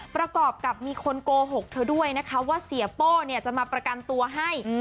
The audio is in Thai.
ประกอบกับมีคนโกหกเธอด้วยนะคะว่าเสียโป้จะมาประกันตัวให้